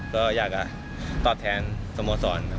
ก็อยากจะตอบแทนสโมสร